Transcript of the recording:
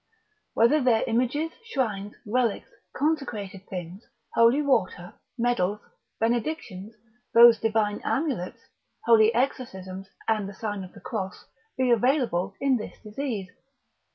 Whether their images, shrines, relics, consecrated things, holy water, medals, benedictions, those divine amulets, holy exorcisms, and the sign of the cross, be available in this disease?